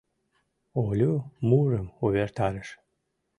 Олю мурым увертарыш: